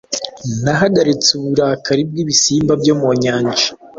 Nahagaritse uburakari bwibisimba byo mu nyanja